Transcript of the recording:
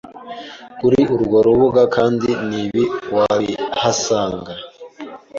Kuri urwo rubuga kandi nibi wabihasanga